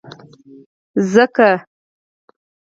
ځکه،